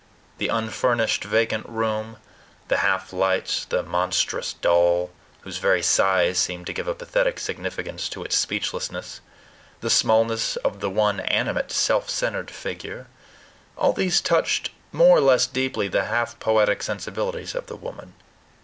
The unfurnished vacant room, the half lights, the monstrous doll, whose very size seemed to give a pathetic significance to its speechlessness, the smallness of the one animate, self centered figure all these touched more or less deeply the half poetic sensibilities of the woman.